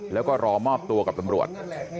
แล้วก็รอมอบตัวกับตำรวจ